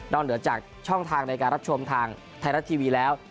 นอกจากช่องทางรับชมทางไทยรัตทีวีแล้ว